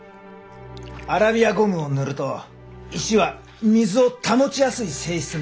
アラビアゴムを塗ると石は水を保ちやすい性質に変わる。